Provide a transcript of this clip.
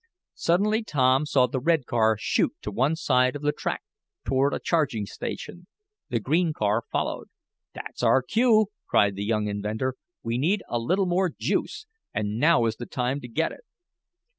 Suddenly Tom saw the red car shoot to one side of the track, toward a charging station; The green car followed. "That's our cue!" cried the young inventor "We need a little more 'juice' and now is the time to get it."